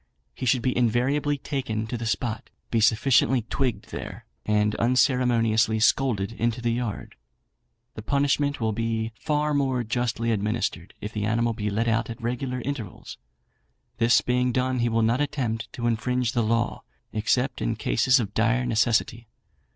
He should be invariably taken to the spot, be sufficiently twigged there, and unceremoniously scolded into the yard. The punishment will be far more justly administered if the animal be let out at regular intervals; this being done he will not attempt to infringe the law, except in cases of dire necessity.